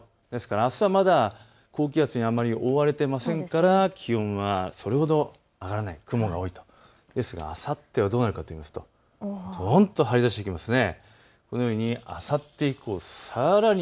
あすはまだ高気圧が覆われていませんから気温がそれほど上がらない雲が多い、あさってはどうかとなると、どんと張り出してきますね。